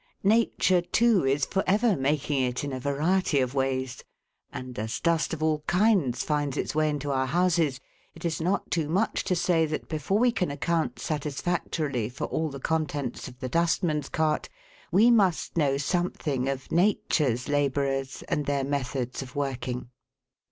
Nature, too, is for ever making it in a variety of ways ; and as dust of all kinds finds its way into our houses, it is not too much to say that, before we can account satisfactorily for all the contents of the dustman's cart, we must know something of Nature's labourers and their methods of working.